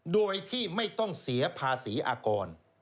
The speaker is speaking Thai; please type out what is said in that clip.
โดยที่ไม่ต้องเสียภาษีอากร